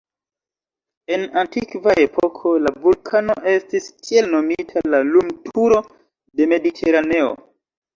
En antikva epoko, la vulkano estis tiel nomita "la lumturo de Mediteraneo".